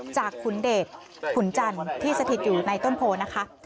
จากคุณเดชน์คุณจันทร์ที่สถิตอยู่ในต้นโพลนะคะ